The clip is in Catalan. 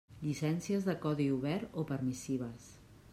Llicències de codi obert o permissives.